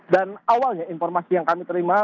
dan awalnya informasi yang kami terima